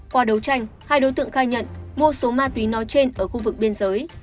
qua đấu tranh hai đối tượng khai nhận mua số ma túy nói trên ở khu vực biên giới